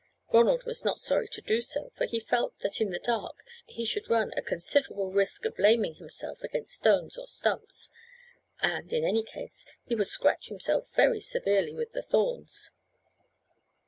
Ronald was not sorry to do so, for he felt that in the dark he should run a considerable risk of laming himself against stones or stumps, and in any case he would scratch himself very severely with the thorns.